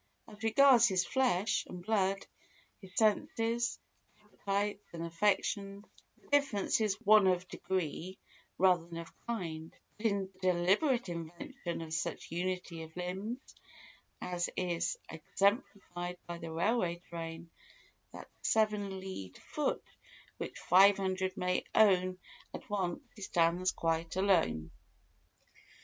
As regards his flesh and blood, his senses, appetites, and affections, the difference is one of degree rather than of kind, but in the deliberate invention of such unity of limbs as is exemplified by the railway train—that seven leagued foot which five hundred may own at once—he stands quite alone.